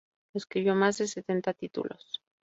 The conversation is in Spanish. Escribió más de setenta títulos.